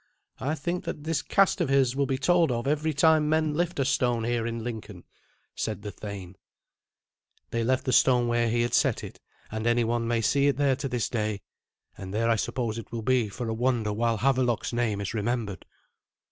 I think that this cast of his will be told of every time men lift a stone here in Lincoln," said the thane. They left the stone where he had set it, and any one may see it there to this day, and there I suppose it will be for a wonder while Havelok's name is remembered.